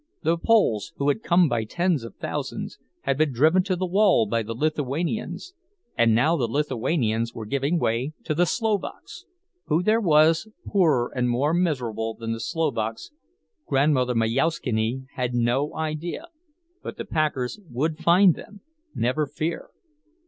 The Poles, who had come by tens of thousands, had been driven to the wall by the Lithuanians, and now the Lithuanians were giving way to the Slovaks. Who there was poorer and more miserable than the Slovaks, Grandmother Majauszkiene had no idea, but the packers would find them, never fear.